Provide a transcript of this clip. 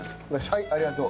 はいありがとう。